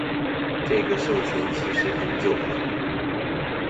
這個授權其實很久了